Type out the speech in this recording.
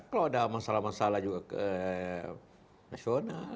kalau ada masalah masalah juga ke nasional